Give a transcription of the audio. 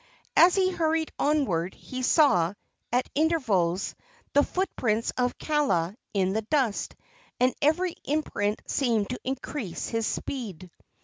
As he hurried onward, he saw, at intervals, the footprints of Kaala in the dust, and every imprint seemed to increase his speed.